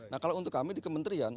nah kalau untuk kami di kementerian